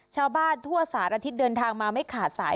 ชาวบ้านทั่วสารทิศเดินทางมาไม่ขาดสาย